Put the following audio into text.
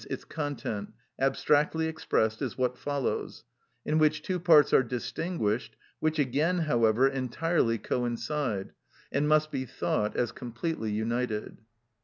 _, its content, abstractly expressed, is what follows, in which two parts are distinguished, which again, however, entirely coincide, and must be thought as completely united.